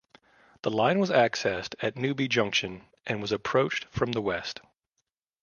The line was accessed at Newbie Junction and was approached from the west.